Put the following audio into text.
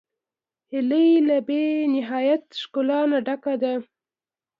هیلۍ له بېنهایت ښکلا نه ډکه ده